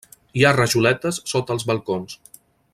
Hi ha rajoletes sota els balcons.